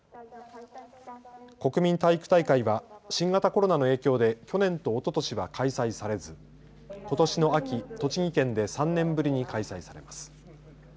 国民体育大会は新型コロナの影響で去年とおととしは開催されず、ことしの秋、栃木県で３年ぶりに開催されます。